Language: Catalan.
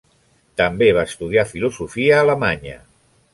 També va estudiar filosofia a Alemanya.